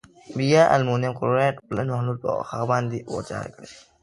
بیا المونیم کلورایډ اوبلن محلول په هغه باندې ور زیات کړئ.